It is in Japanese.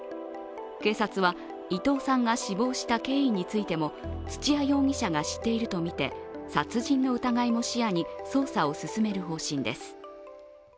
警察は伊藤さんが死亡した経緯についても土屋容疑者が知っているとみて殺人の疑いも視野に捜査を進める方針です。